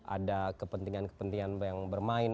ada kepentingan kepentingan yang bermain